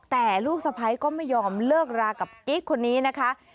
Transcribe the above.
แต่ลูกสะพ้ายก็ไม่ยอมเลิกรากับกิ๊กคนนี้นะคะ